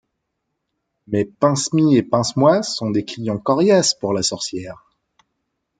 Mais Pincemi et Pincemoi sont des clients coriaces pour la sorcière.